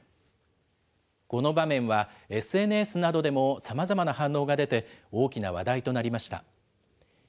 この場面は、ＳＮＳなどでもさまざまな反応が出て、大きな話題となりました。